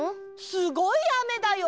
すごいあめだよ！